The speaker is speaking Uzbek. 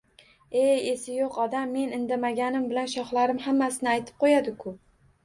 — Ey, esi yo‘q odam, men indamaganim bilan shoxlarim hammasini aytib qo‘yadi-ku!